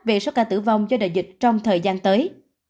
về số ca tử vong do đại dịch trong thời gian tới